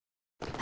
あ！